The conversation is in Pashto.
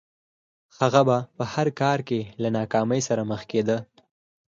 هغه به په هر کار کې له ناکامۍ سره مخ کېده